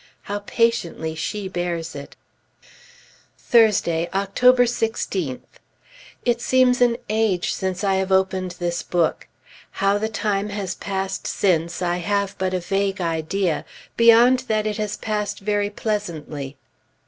How patiently she bears it! Thursday, October 16th. It seems an age since I have opened this book. How the time has passed since, I have but a vague idea, beyond that it has passed very pleasantly....